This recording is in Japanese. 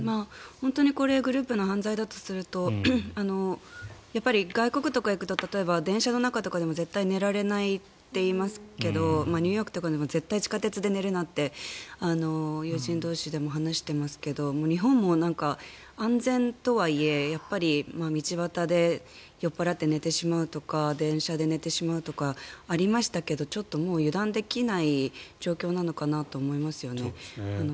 本当にこれグループの犯罪だとすると外国とか行くと例えば電車の中でも絶対に寝られないって言いますけどニューヨークとかでも絶対に地下鉄で寝るなって友人同士でも話していますけど日本も、安全とはいえやっぱり道端で酔っ払って寝てしまうとか電車で寝てしまうとかありましたけどちょっともう油断できない状況なのかなと思いますよね。